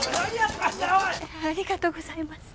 ありがとうございます。